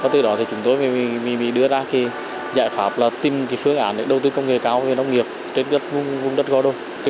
từ đó chúng tôi đưa ra giải pháp tìm phương án đầu tư công nghệ cao về nông nghiệp trên vùng đất go đôi